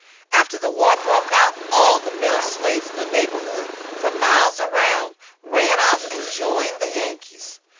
After the war broke out all the male slaves in the neighborhood for miles around ran off and joined the "Yankees."